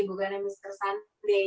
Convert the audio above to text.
bukan mr sunday